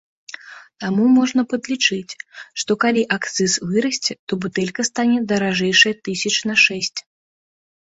Таму можна падлічыць, што калі акцыз вырасце, то бутэлька стане даражэйшай тысяч на шэсць.